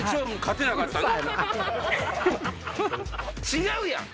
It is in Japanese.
違うやん！